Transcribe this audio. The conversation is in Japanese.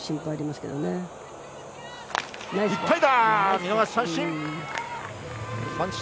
見逃し三振。